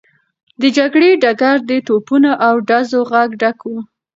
د جګړې ډګر د توپونو او ډزو غږ ډک و.